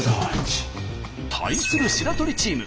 対する白鳥チーム。